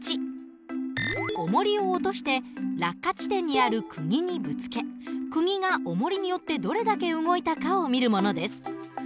おもりを落として落下地点にあるくぎにぶつけくぎがおもりによってどれだけ動いたかを見るものです。